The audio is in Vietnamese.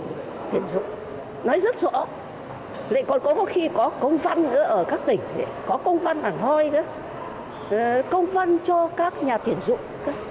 cơ sở tuyển dụng nói rất rõ lại còn có khi có công văn ở các tỉnh có công văn ở hôi công văn cho các nhà tuyển dụng